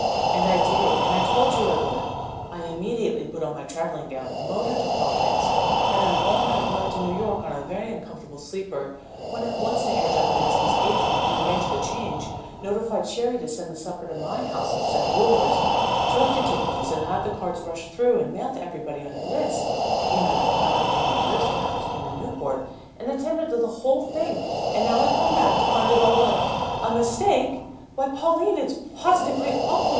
"And I did, and I told you I would. I immediately put on my travelling gown, motored to Providence, had an all night ride to New York on a very uncomfortable sleeper, went at once to Herr Jockobinski's agent and arranged the change, notified Sherry to send the supper to my house instead of yours, drove to Tiffany's and had the cards rushed through and mailed to everybody on your list you know you kindly gave me your list when I first came to Newport and attended to the whole thing, and now I come back to find it all a er a mistake! Why, Pauline, it's positively awful!